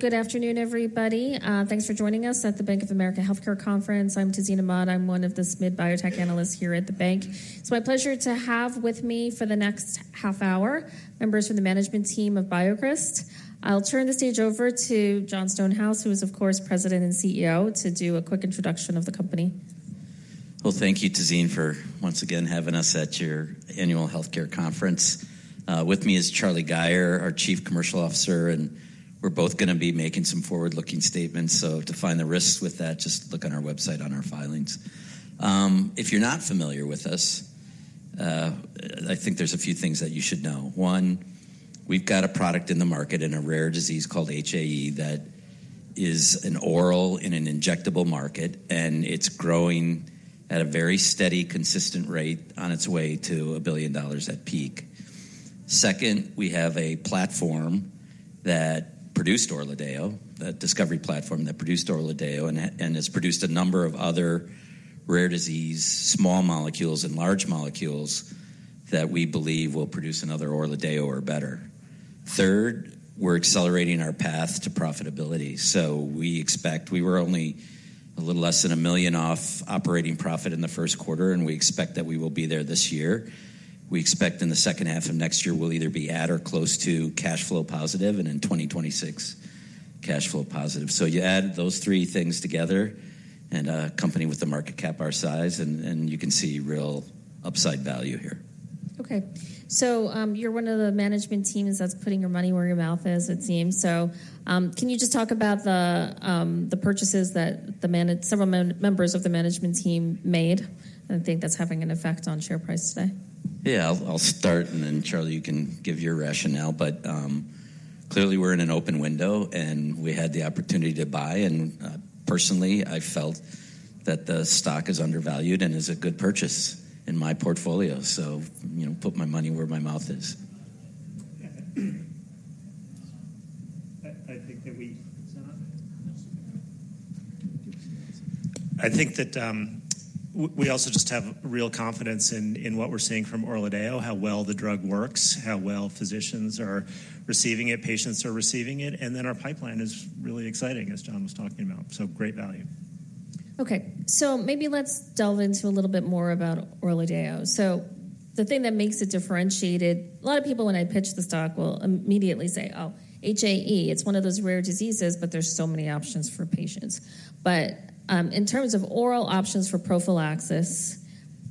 Good afternoon, everybody. Thanks for joining us at the Bank of America Healthcare Conference. I'm Tazeen Ahmad, I'm one of the SMID biotech analysts here at the bank. It's my pleasure to have with me for the next half hour members from the management team of BioCryst. I'll turn the stage over to Jon Stonehouse, who is, of course, President and CEO, to do a quick introduction of the company. Well, thank you, Tazeen, for once again having us at your annual healthcare conference. With me is Charlie Gayer, our Chief Commercial Officer, and we're both going to be making some forward-looking statements, so to find the risks with that, just look on our website on our filings. If you're not familiar with us, I think there's a few things that you should know. One, we've got a product in the market, and a rare disease called HAE, that is an oral and an injectable market, and it's growing at a very steady, consistent rate on its way to $1 billion at peak. Second, we have a platform that produced ORLADEYO, a discovery platform that produced ORLADEYO, and has produced a number of other rare disease small molecules and large molecules that we believe will produce another ORLADEYO or better. Third, we're accelerating our path to profitability. So we expect we were only a little less than $1 million off operating profit in the first quarter, and we expect that we will be there this year. We expect in the second half of next year we'll either be at or close to cash flow positive and in 2026 cash flow positive. So you add those three things together and a company with a market cap our size, and you can see real upside value here. Okay. So you're one of the management teams that's putting your money where your mouth is, it seems. So can you just talk about the purchases that several members of the management team made? I think that's having an effect on share price today. Yeah. I'll start, and then Charlie, you can give your rationale. But clearly we're in an open window, and we had the opportunity to buy, and personally, I felt that the stock is undervalued and is a good purchase in my portfolio. So put my money where my mouth is. I think that we. I think that we also just have real confidence in what we're seeing from ORLADEYO, how well the drug works, how well physicians are receiving it, patients are receiving it, and then our pipeline is really exciting, as Jon was talking about. So great value. Okay. So maybe let's delve into a little bit more about ORLADEYO. So the thing that makes it differentiated a lot of people when I pitch the stock will immediately say, "Oh, HAE. It's one of those rare diseases, but there's so many options for patients." But in terms of oral options for prophylaxis,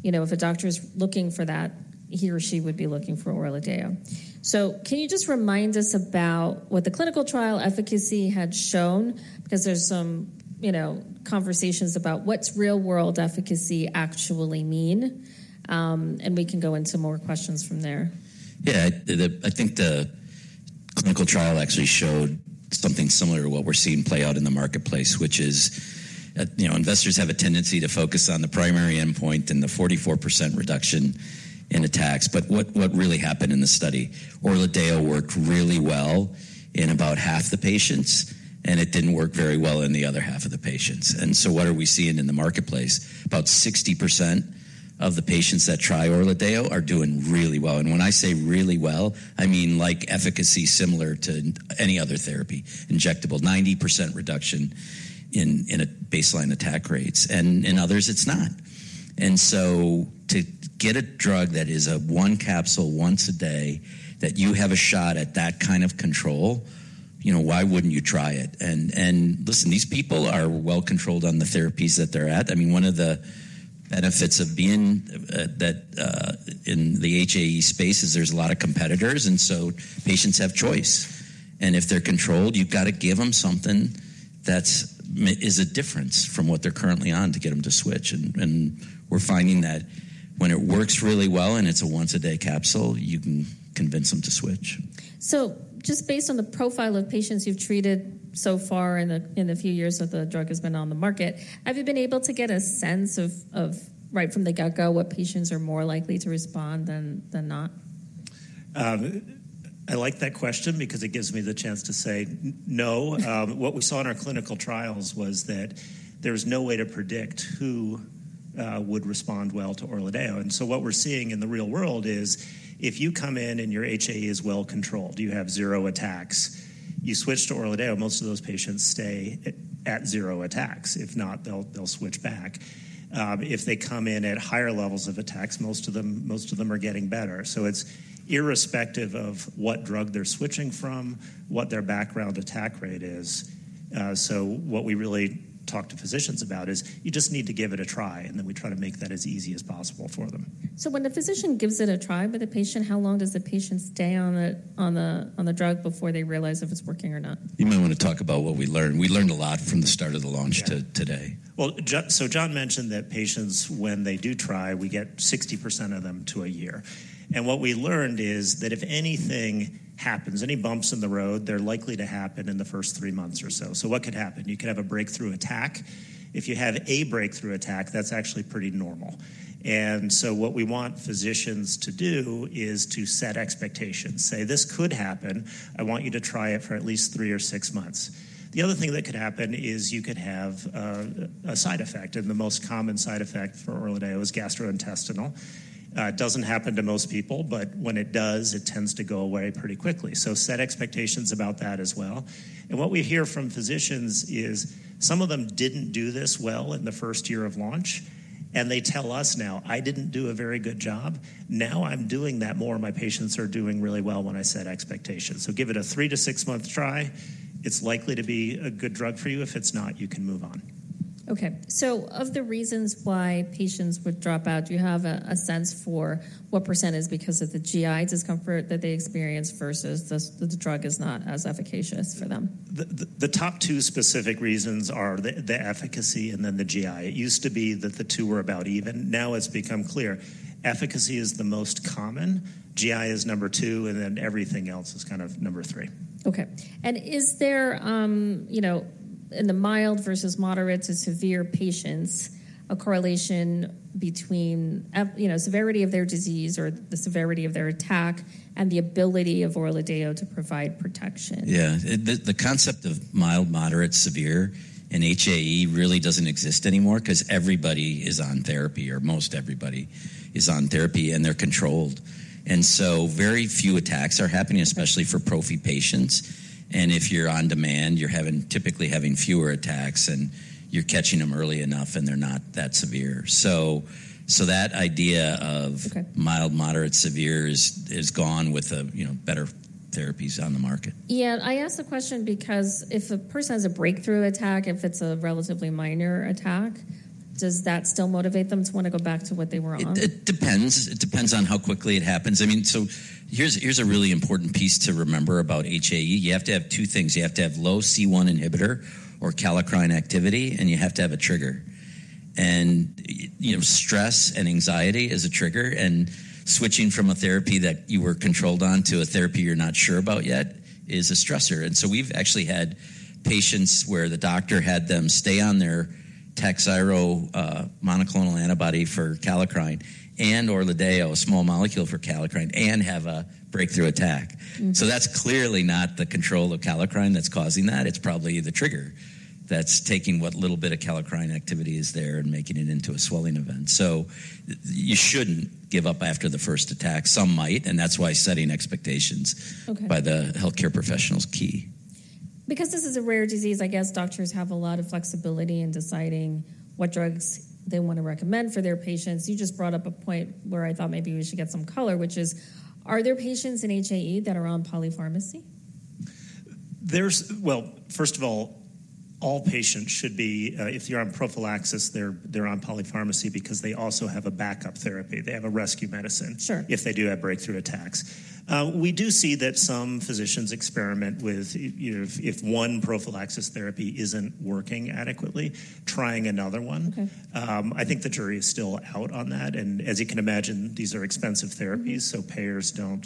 if a doctor is looking for that, he or she would be looking for ORLADEYO. So can you just remind us about what the clinical trial efficacy had shown? Because there's some conversations about what's real-world efficacy actually mean, and we can go into more questions from there. Yeah. I think the clinical trial actually showed something similar to what we're seeing play out in the marketplace, which is investors have a tendency to focus on the primary endpoint and the 44% reduction in attacks. But what really happened in the study, ORLADEYO worked really well in about half the patients, and it didn't work very well in the other half of the patients. And so what are we seeing in the marketplace? About 60% of the patients that try ORLADEYO are doing really well. And when I say really well, I mean efficacy similar to any other therapy, injectable, 90% reduction in baseline attack rates. And in others, it's not. And so to get a drug that is a one capsule once a day that you have a shot at that kind of control, why wouldn't you try it? Listen, these people are well controlled on the therapies that they're at. I mean, one of the benefits of being in the HAE space is there's a lot of competitors, and so patients have choice. And if they're controlled, you've got to give them something that is a difference from what they're currently on to get them to switch. And we're finding that when it works really well and it's a once-a-day capsule, you can convince them to switch. Just based on the profile of patients you've treated so far in the few years that the drug has been on the market, have you been able to get a sense of, right from the get-go, what patients are more likely to respond than not? I like that question because it gives me the chance to say no. What we saw in our clinical trials was that there was no way to predict who would respond well to ORLADEYO. And so what we're seeing in the real world is if you come in and your HAE is well controlled, you have zero attacks, you switch to ORLADEYO, most of those patients stay at zero attacks. If not, they'll switch back. If they come in at higher levels of attacks, most of them are getting better. So it's irrespective of what drug they're switching from, what their background attack rate is. So what we really talk to physicians about is you just need to give it a try, and then we try to make that as easy as possible for them. When the physician gives it a try with a patient, how long does the patient stay on the drug before they realize if it's working or not? You might want to talk about what we learned. We learned a lot from the start of the launch to today. Well, so Jon mentioned that patients, when they do try, we get 60% of them to a year. And what we learned is that if anything happens, any bumps in the road, they're likely to happen in the first three months or so. So what could happen? You could have a breakthrough attack. If you have a breakthrough attack, that's actually pretty normal. And so what we want physicians to do is to set expectations. Say, "This could happen. I want you to try it for at least three or six months." The other thing that could happen is you could have a side effect, and the most common side effect for ORLADEYO is gastrointestinal. It doesn't happen to most people, but when it does, it tends to go away pretty quickly. So set expectations about that as well. What we hear from physicians is some of them didn't do this well in the first year of launch, and they tell us now, "I didn't do a very good job. Now I'm doing that more. My patients are doing really well when I set expectations." Give it a three to six-month try. It's likely to be a good drug for you. If it's not, you can move on. Okay. So of the reasons why patients would drop out, do you have a sense for what percent is because of the GI discomfort that they experience versus the drug is not as efficacious for them? The top two specific reasons are the efficacy and then the GI. It used to be that the two were about even. Now it's become clear. Efficacy is the most common. GI is number two, and then everything else is kind of number three. Okay. And is there, in the mild versus moderate to severe patients, a correlation between the severity of their disease or the severity of their attack and the ability of ORLADEYO to provide protection? Yeah. The concept of mild, moderate, severe in HAE really doesn't exist anymore because everybody is on therapy, or most everybody is on therapy, and they're controlled. And so very few attacks are happening, especially for prophy patients. And if you're on demand, you're typically having fewer attacks, and you're catching them early enough, and they're not that severe. So that idea of mild, moderate, severe is gone with better therapies on the market. Yeah. I asked the question because if a person has a breakthrough attack, if it's a relatively minor attack, does that still motivate them to want to go back to what they were on? It depends. It depends on how quickly it happens. I mean, so here's a really important piece to remember about HAE. You have to have two things. You have to have low C1 inhibitor or kallikrein activity, and you have to have a trigger. And stress and anxiety is a trigger, and switching from a therapy that you were controlled on to a therapy you're not sure about yet is a stressor. And so we've actually had patients where the doctor had them stay on their TAKHZYRO monoclonal antibody for kallikrein and ORLADEYO, a small molecule for kallikrein, and have a breakthrough attack. So that's clearly not the control of kallikrein that's causing that. It's probably the trigger that's taking what little bit of kallikrein activity is there and making it into a swelling event. So you shouldn't give up after the first attack. Some might, and that's why setting expectations by the healthcare professional is key. Because this is a rare disease, I guess doctors have a lot of flexibility in deciding what drugs they want to recommend for their patients. You just brought up a point where I thought maybe we should get some color, which is, are there patients in HAE that are on polypharmacy? Well, first of all, all patients should be if they're on prophylaxis, they're on polypharmacy because they also have a backup therapy. They have a rescue medicine if they do have breakthrough attacks. We do see that some physicians experiment with, if one prophylaxis therapy isn't working adequately, trying another one. I think the jury is still out on that. And as you can imagine, these are expensive therapies, so payers don't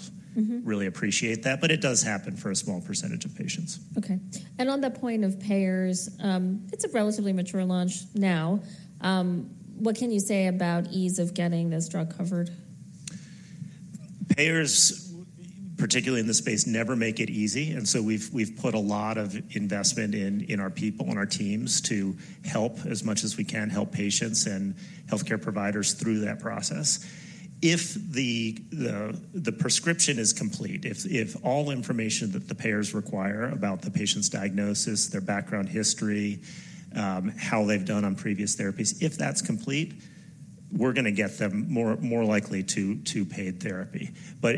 really appreciate that. But it does happen for a small percentage of patients. Okay. And on that point of payers, it's a relatively mature launch now. What can you say about ease of getting this drug covered? Payers, particularly in this space, never make it easy. And so we've put a lot of investment in our people, in our teams, to help as much as we can help patients and healthcare providers through that process. If the prescription is complete, if all information that the payers require about the patient's diagnosis, their background history, how they've done on previous therapies, if that's complete, we're going to get them more likely to paid therapy.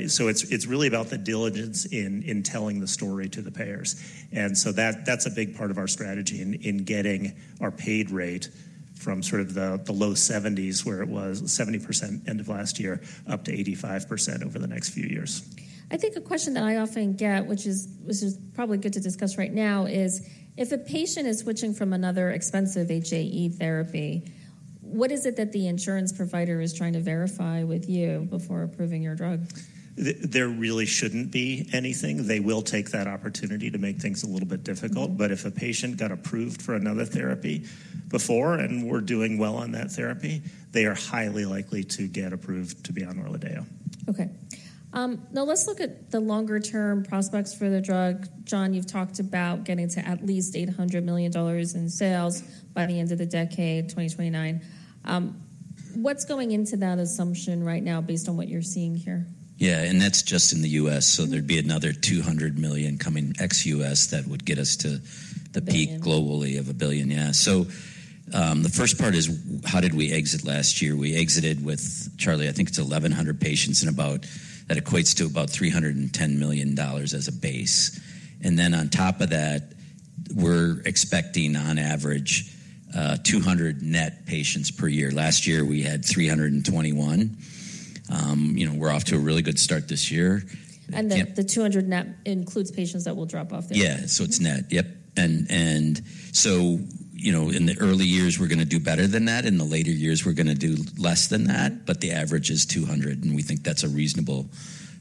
So it's really about the diligence in telling the story to the payers. And so that's a big part of our strategy in getting our paid rate from sort of the low 70s% where it was 70% end of last year up to 85% over the next few years. I think a question that I often get, which is probably good to discuss right now, is if a patient is switching from another expensive HAE therapy, what is it that the insurance provider is trying to verify with you before approving your drug? There really shouldn't be anything. They will take that opportunity to make things a little bit difficult. But if a patient got approved for another therapy before and we're doing well on that therapy, they are highly likely to get approved to be on ORLADEYO. Okay. Now let's look at the longer-term prospects for the drug. Jon, you've talked about getting to at least $800 million in sales by the end of the decade, 2029. What's going into that assumption right now based on what you're seeing here? Yeah. And that's just in the U.S. So there'd be another $200 million coming ex-U.S. that would get us to the peak globally of $1 billion. Yeah. So the first part is how did we exit last year? We exited with, Charlie, I think it's 1,100 patients in about that equates to about $310 million as a base. And then on top of that, we're expecting, on average, 200 net patients per year. Last year, we had 321. We're off to a really good start this year. The 200 net includes patients that will drop off there? Yeah. So it's net. Yep. And so in the early years, we're going to do better than that. In the later years, we're going to do less than that, but the average is $200 million, and we think that's a reasonable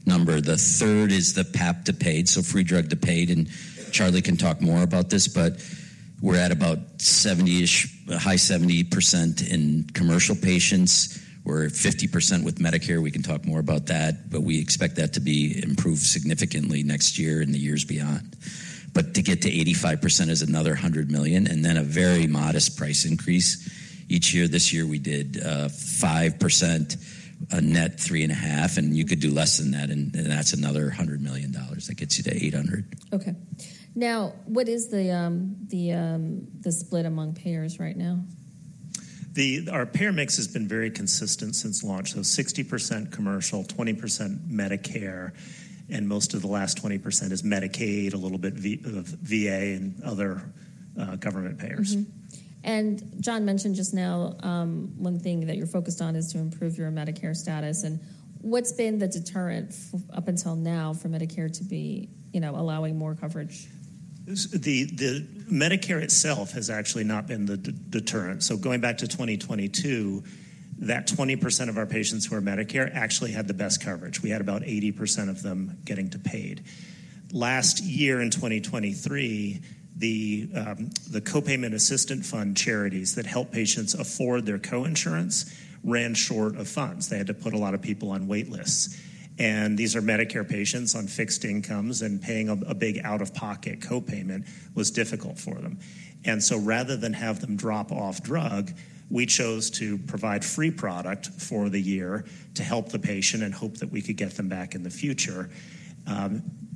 number. The third is the PAP to paid, so free drug to paid. And Charlie can talk more about this, but we're at about 70-ish%, high 70% in commercial patients. We're at 50% with Medicare. We can talk more about that, but we expect that to be improved significantly next year and the years beyond. But to get to 85% is another $100 million, and then a very modest price increase each year. This year, we did 5%, a net 3.5%, and you could do less than that, and that's another $100 million that gets you to $800 million. Okay. Now, what is the split among payers right now? Our payer mix has been very consistent since launch, so 60% commercial, 20% Medicare, and most of the last 20% is Medicaid, a little bit of VA, and other government payers. Jon mentioned just now one thing that you're focused on is to improve your Medicare status. What's been the deterrent up until now for Medicare to be allowing more coverage? The Medicare itself has actually not been the deterrent. So going back to 2022, that 20% of our patients who are Medicare actually had the best coverage. We had about 80% of them getting paid. Last year in 2023, the Copay Assistance Fund charities that help patients afford their coinsurance ran short of funds. They had to put a lot of people on waitlists. And these are Medicare patients on fixed incomes, and paying a big out-of-pocket copayment was difficult for them. And so rather than have them drop off drug, we chose to provide free product for the year to help the patient and hope that we could get them back in the future.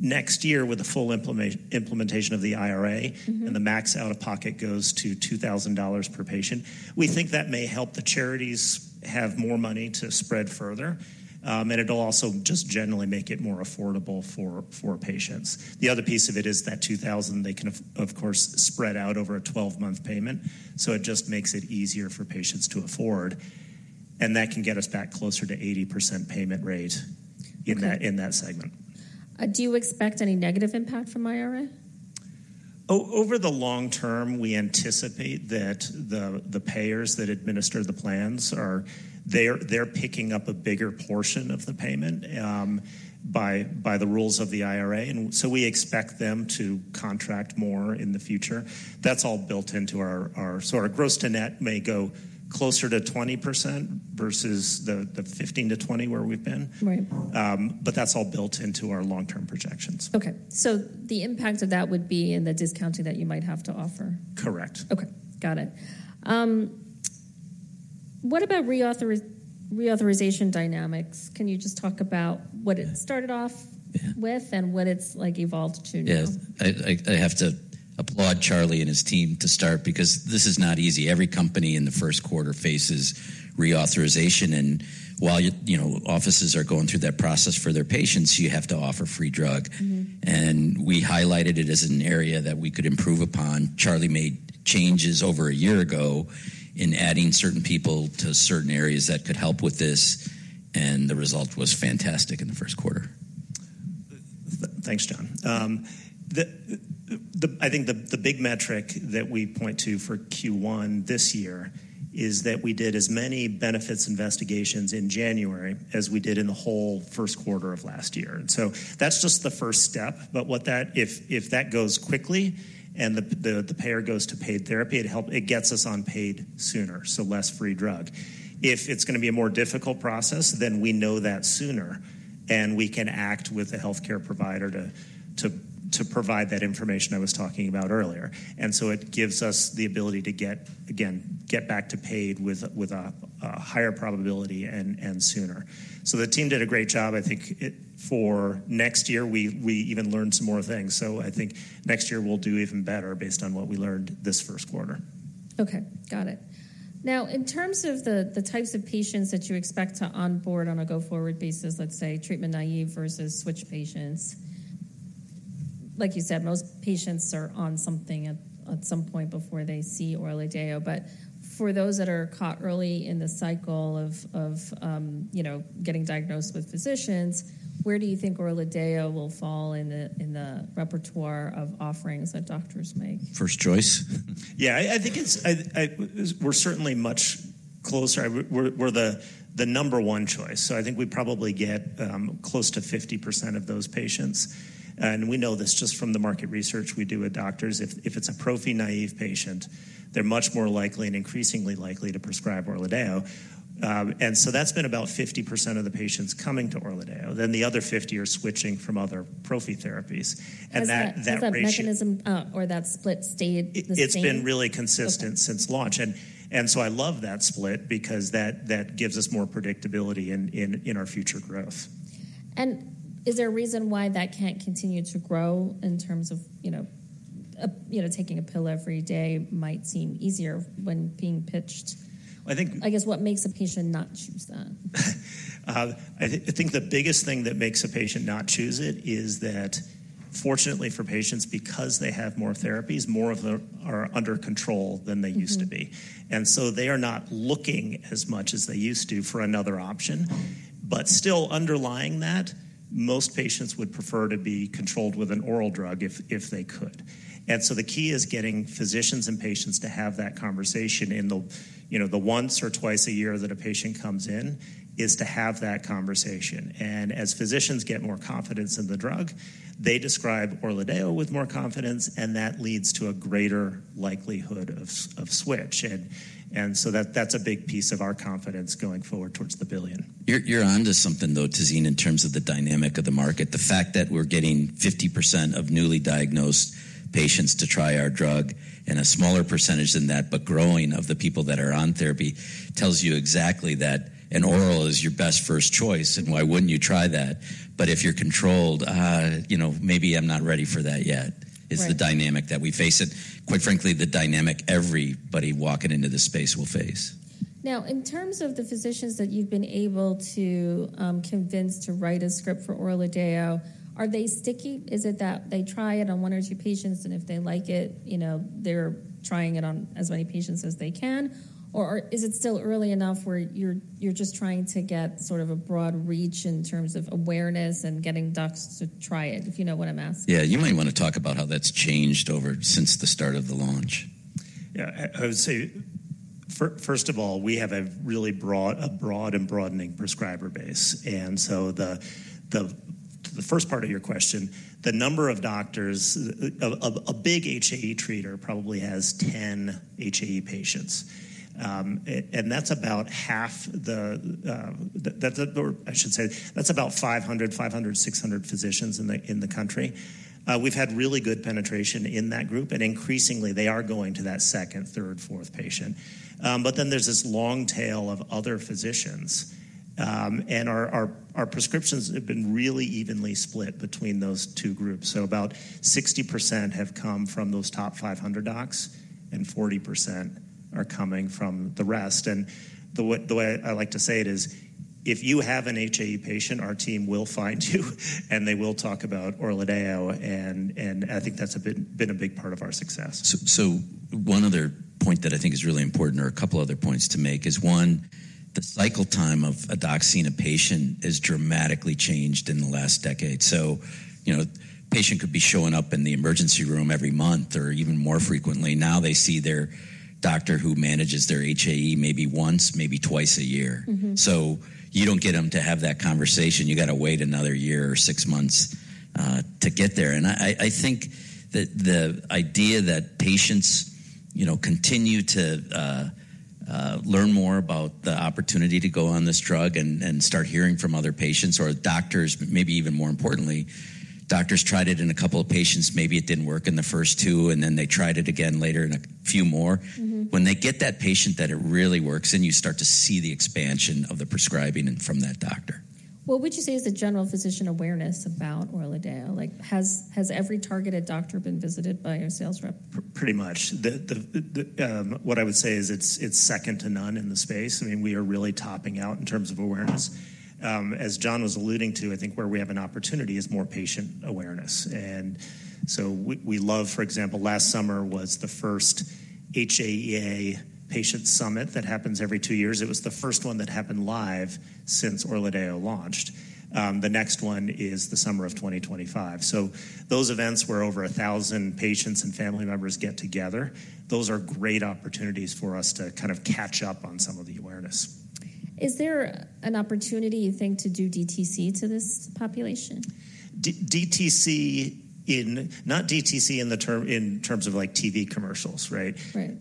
Next year, with the full implementation of the IRA and the max out-of-pocket goes to $2,000 per patient, we think that may help the charities have more money to spread further, and it'll also just generally make it more affordable for patients. The other piece of it is that $2,000, they can, of course, spread out over a 12-month payment. So it just makes it easier for patients to afford. And that can get us back closer to 80% payment rate in that segment. Do you expect any negative impact from IRA? Over the long term, we anticipate that the payers that administer the plans, they're picking up a bigger portion of the payment by the rules of the IRA. So we expect them to contract more in the future. That's all built into our gross to net may go closer to 20% versus the 15%-20% where we've been. But that's all built into our long-term projections. Okay. So the impact of that would be in the discounting that you might have to offer? Correct. Okay. Got it. What about reauthorization dynamics? Can you just talk about what it started off with and what it's evolved to now? Yeah. I have to applaud Charlie and his team to start because this is not easy. Every company in the first quarter faces reauthorization. And while offices are going through that process for their patients, you have to offer free drug. And we highlighted it as an area that we could improve upon. Charlie made changes over a year ago in adding certain people to certain areas that could help with this, and the result was fantastic in the first quarter. Thanks, Jon. I think the big metric that we point to for Q1 this year is that we did as many benefits investigations in January as we did in the whole first quarter of last year. And so that's just the first step. But if that goes quickly and the payer goes to paid therapy, it gets us on paid sooner, so less free drug. If it's going to be a more difficult process, then we know that sooner, and we can act with a healthcare provider to provide that information I was talking about earlier. And so it gives us the ability to, again, get back to paid with a higher probability and sooner. So the team did a great job. I think for next year, we even learned some more things. So I think next year we'll do even better based on what we learned this first quarter. Okay. Got it. Now, in terms of the types of patients that you expect to onboard on a go-forward basis, let's say treatment naive versus switch patients. Like you said, most patients are on something at some point before they see ORLADEYO. But for those that are caught early in the cycle of getting diagnosed with physicians, where do you think ORLADEYO will fall in the repertoire of offerings that doctors make? First choice? Yeah. I think we're certainly much closer. We're the number one choice. So I think we probably get close to 50% of those patients. And we know this just from the market research we do with doctors. If it's a prophy-naive patient, they're much more likely and increasingly likely to prescribe ORLADEYO. And so that's been about 50% of the patients coming to ORLADEYO. Then the other 50% are switching from other prophy therapies. And that ratio. Has that mechanism or that split stayed the same? It's been really consistent since launch. So I love that split because that gives us more predictability in our future growth. Is there a reason why that can't continue to grow in terms of taking a pill every day might seem easier when being pitched? I guess what makes a patient not choose that? I think the biggest thing that makes a patient not choose it is that, fortunately for patients, because they have more therapies, more of them are under control than they used to be. So they are not looking as much as they used to for another option. But still underlying that, most patients would prefer to be controlled with an oral drug if they could. So the key is getting physicians and patients to have that conversation in the once or twice a year that a patient comes in is to have that conversation. And as physicians get more confidence in the drug, they describe ORLADEYO with more confidence, and that leads to a greater likelihood of switch. So that's a big piece of our confidence going forward towards $1 billion. You're on to something, though, Tazeen, in terms of the dynamic of the market. The fact that we're getting 50% of newly diagnosed patients to try our drug and a smaller percentage than that but growing of the people that are on therapy tells you exactly that an oral is your best first choice and why wouldn't you try that. But if you're controlled, maybe I'm not ready for that yet is the dynamic that we face. And quite frankly, the dynamic everybody walking into this space will face. Now, in terms of the physicians that you've been able to convince to write a script for ORLADEYO, are they sticky? Is it that they try it on one or two patients, and if they like it, they're trying it on as many patients as they can? Or is it still early enough where you're just trying to get sort of a broad reach in terms of awareness and getting docs to try it, if you know what I'm asking? Yeah. You might want to talk about how that's changed since the start of the launch. Yeah. I would say, first of all, we have a really broad and broadening prescriber base. And so the first part of your question, the number of doctors, a big HAE treater probably has 10 HAE patients. And that's about half the, I should say that's about 500-600 physicians in the country. We've had really good penetration in that group, and increasingly, they are going to that second, third, fourth patient. But then there's this long tail of other physicians. And our prescriptions have been really evenly split between those two groups. So about 60% have come from those top 500 docs, and 40% are coming from the rest. And the way I like to say it is, if you have an HAE patient, our team will find you, and they will talk about ORLADEYO. And I think that's been a big part of our success. So one other point that I think is really important or a couple of other points to make is, one, the cycle time of a doc seeing a patient has dramatically changed in the last decade. So a patient could be showing up in the emergency room every month or even more frequently. Now they see their doctor who manages their HAE maybe once, maybe twice a year. So you don't get them to have that conversation. You got to wait another year or six months to get there. And I think that the idea that patients continue to learn more about the opportunity to go on this drug and start hearing from other patients or doctors, maybe even more importantly, doctors tried it in a couple of patients. Maybe it didn't work in the first two, and then they tried it again later in a few more. When they get that patient that it really works in, you start to see the expansion of the prescribing from that doctor. What would you say is the general physician awareness about ORLADEYO? Has every targeted doctor been visited by your sales rep? Pretty much. What I would say is it's second to none in the space. I mean, we are really topping out in terms of awareness. As Jon was alluding to, I think where we have an opportunity is more patient awareness. And so we love, for example, last summer was the first HAEA Patient Summit that happens every two years. It was the first one that happened live since ORLADEYO launched. The next one is the summer of 2025. So those events where over 1,000 patients and family members get together, those are great opportunities for us to kind of catch up on some of the awareness. Is there an opportunity, you think, to do DTC to this population? DTC is not DTC in terms of TV commercials, right?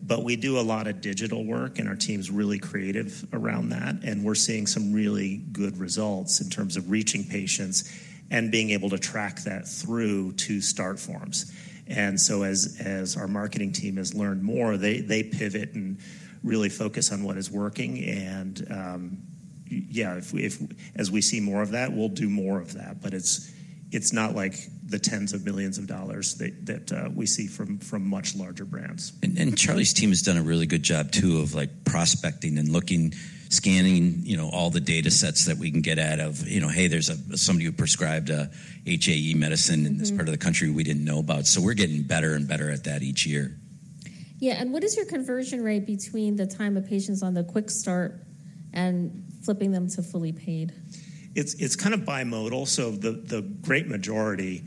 But we do a lot of digital work, and our team's really creative around that. And we're seeing some really good results in terms of reaching patients and being able to track that through to start forms. And so as our marketing team has learned more, they pivot and really focus on what is working. And yeah, as we see more of that, we'll do more of that. But it's not like the $10s of millions that we see from much larger brands. Charlie's team has done a really good job, too, of prospecting and scanning all the data sets that we can get out of, "Hey, there's somebody who prescribed HAE medicine in this part of the country we didn't know about." So we're getting better and better at that each year. Yeah. And what is your conversion rate between the time a patient's on the Quick Start and flipping them to fully paid? It's kind of bimodal. So the great majority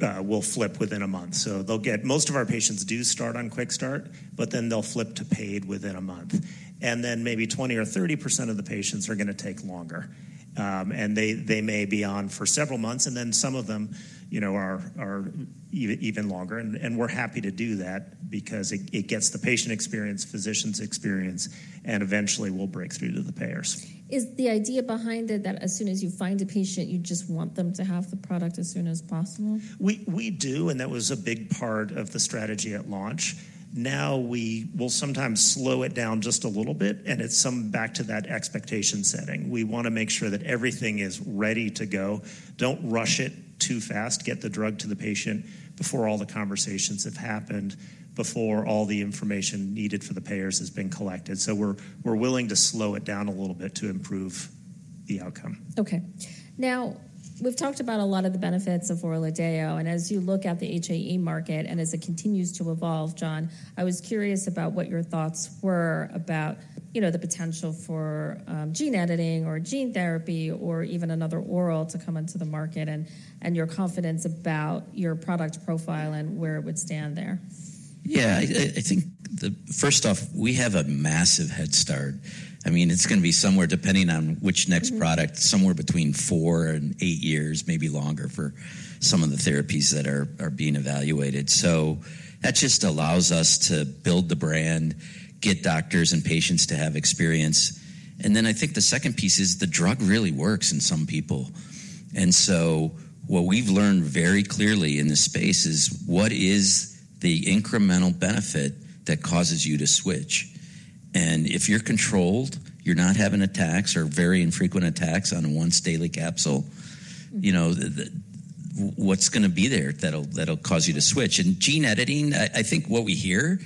will flip within a month. So most of our patients do start on Quick Start, but then they'll flip to paid within a month. And then maybe 20% or 30% of the patients are going to take longer. And they may be on for several months, and then some of them are even longer. And we're happy to do that because it gets the patient experience, physician's experience, and eventually will break through to the payers. Is the idea behind it that as soon as you find a patient, you just want them to have the product as soon as possible? We do, and that was a big part of the strategy at launch. Now we will sometimes slow it down just a little bit, and it's back to that expectation setting. We want to make sure that everything is ready to go. Don't rush it too fast. Get the drug to the patient before all the conversations have happened, before all the information needed for the payers has been collected. So we're willing to slow it down a little bit to improve the outcome. Okay. Now, we've talked about a lot of the benefits of ORLADEYO. As you look at the HAE market and as it continues to evolve, Jon, I was curious about what your thoughts were about the potential for gene editing or gene therapy or even another oral to come into the market and your confidence about your product profile and where it would stand there? Yeah. I think, first off, we have a massive head start. I mean, it's going to be somewhere, depending on which next product, somewhere between 4 and 8 years, maybe longer for some of the therapies that are being evaluated. So that just allows us to build the brand, get doctors and patients to have experience. And then I think the second piece is the drug really works in some people. And so what we've learned very clearly in this space is what is the incremental benefit that causes you to switch. And if you're controlled, you're not having attacks or very infrequent attacks on a once-daily capsule, what's going to be there that'll cause you to switch? And gene editing, I think what we hear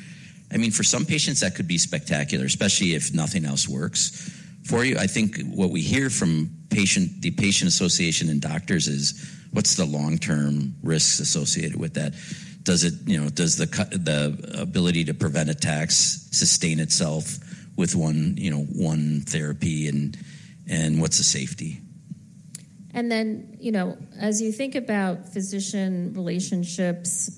I mean, for some patients, that could be spectacular, especially if nothing else works. For you, I think what we hear from the patient association and doctors is, what's the long-term risks associated with that? Does the ability to prevent attacks sustain itself with one therapy, and what's the safety? Then as you think about physician relationships,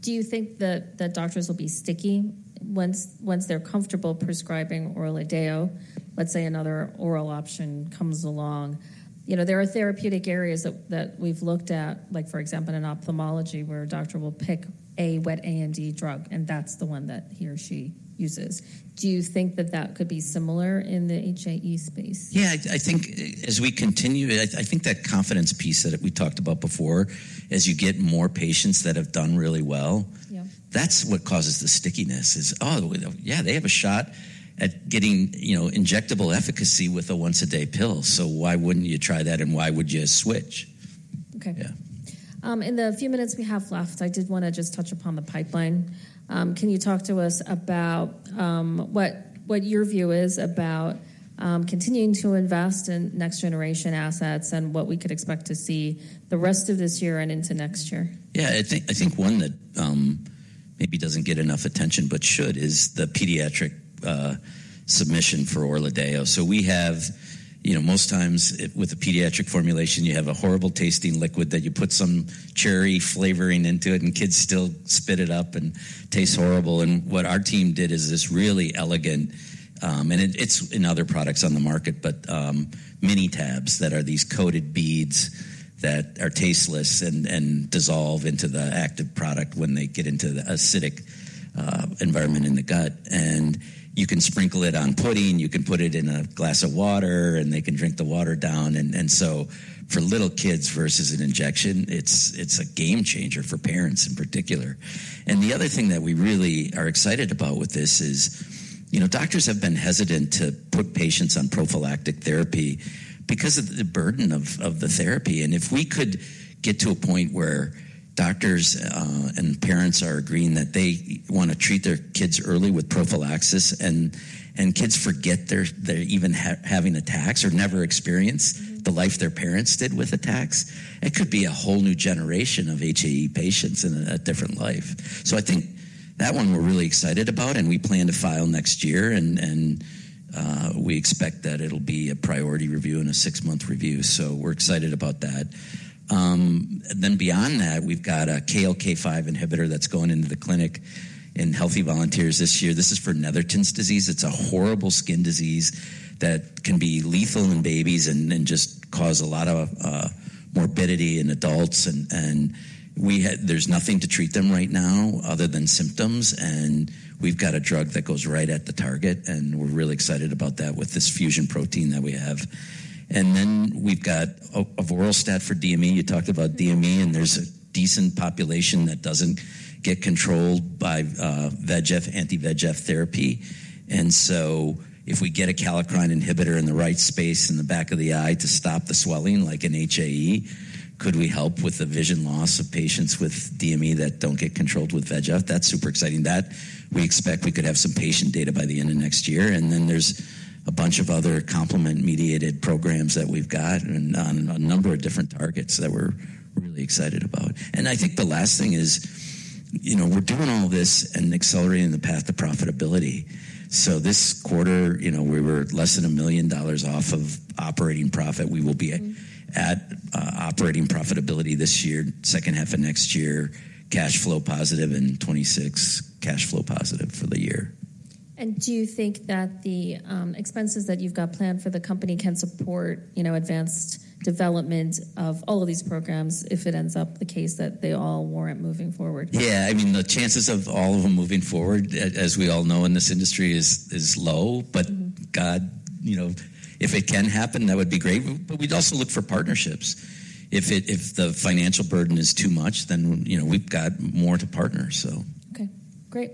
do you think that doctors will be sticky once they're comfortable prescribing ORLADEYO, let's say another oral option comes along? There are therapeutic areas that we've looked at, for example, in ophthalmology where a doctor will pick a wet AMD drug, and that's the one that he or she uses. Do you think that that could be similar in the HAE space? Yeah. I think as we continue, I think that confidence piece that we talked about before, as you get more patients that have done really well, that's what causes the stickiness: "Oh, yeah, they have a shot at getting injectable efficacy with a once-a-day pill. So why wouldn't you try that, and why would you switch?" Yeah. Okay. In the few minutes we have left, I did want to just touch upon the pipeline. Can you talk to us about what your view is about continuing to invest in next-generation assets and what we could expect to see the rest of this year and into next year? Yeah. I think one that maybe doesn't get enough attention but should is the pediatric submission for ORLADEYO. So most times with a pediatric formulation, you have a horrible-tasting liquid that you put some cherry flavoring into it, and kids still spit it up and taste horrible. And what our team did is this really elegant and it's in other products on the market, but mini tabs that are these coated beads that are tasteless and dissolve into the active product when they get into the acidic environment in the gut. And you can sprinkle it on pudding. You can put it in a glass of water, and they can drink the water down. And so for little kids versus an injection, it's a game changer for parents in particular. The other thing that we really are excited about with this is doctors have been hesitant to put patients on prophylactic therapy because of the burden of the therapy. And if we could get to a point where doctors and parents are agreeing that they want to treat their kids early with prophylaxis and kids forget they're even having attacks or never experience the life their parents did with attacks, it could be a whole new generation of HAE patients and a different life. So I think that one we're really excited about, and we plan to file next year. And we expect that it'll be a priority review and a six-month review. So we're excited about that. Then beyond that, we've got a KLK5 inhibitor that's going into the clinic in healthy volunteers this year. This is for Netherton syndrome. It's a horrible skin disease that can be lethal in babies and just cause a lot of morbidity in adults. And there's nothing to treat them right now other than symptoms. And we've got a drug that goes right at the target, and we're really excited about that with this fusion protein that we have. And then we've got an avoralstat for DME. You talked about DME, and there's a decent population that doesn't get controlled by VEGF, anti-VEGF therapy. And so if we get a kallikrein inhibitor in the right space in the back of the eye to stop the swelling like an HAE, could we help with the vision loss of patients with DME that don't get controlled with VEGF? That's super exciting. We expect we could have some patient data by the end of next year. Then there's a bunch of other complement-mediated programs that we've got on a number of different targets that we're really excited about. I think the last thing is we're doing all this and accelerating the path to profitability. This quarter, we were less than $1 million off of operating profit. We will be at operating profitability this year, second half of next year, cash flow positive in 2026, cash flow positive for the year. Do you think that the expenses that you've got planned for the company can support advanced development of all of these programs if it ends up the case that they all warrant moving forward? Yeah. I mean, the chances of all of them moving forward, as we all know in this industry, is low. But God, if it can happen, that would be great. But we'd also look for partnerships. If the financial burden is too much, then we've got more to partner, so. Okay. Great.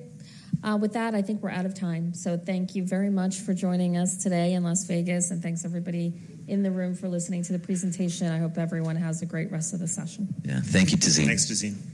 With that, I think we're out of time. So thank you very much for joining us today in Las Vegas. And thanks, everybody in the room, for listening to the presentation. I hope everyone has a great rest of the session. Yeah. Thank you, Tazeen. Thanks, Tazeen.